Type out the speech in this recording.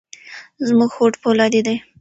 زموږ هوډ فولادي دی.